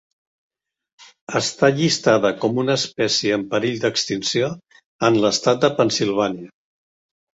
Està llistada com una espècie en perill d'extinció en l'estat de Pennsilvània.